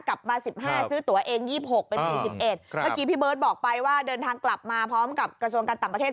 กลับมา๑๕ซื้อตัวเอง๒๖เป็น๔๑เมื่อกี้พี่เบิร์ตบอกไปว่าเดินทางกลับมาพร้อมกับกระทรวงการต่างประเทศ